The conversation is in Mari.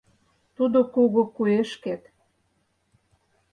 Тудо кугу куэшкет